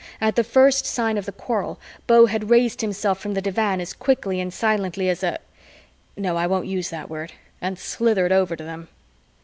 At the first sign of the quarrel, Beau had raised himself from the divan as quickly and silently as a no, I won't use that word and slithered over to them.